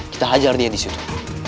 kita ajar dia disitu